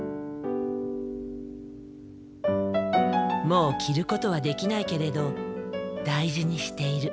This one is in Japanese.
もう着ることはできないけれど大事にしている。